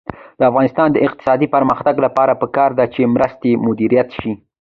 د افغانستان د اقتصادي پرمختګ لپاره پکار ده چې مرستې مدیریت شي.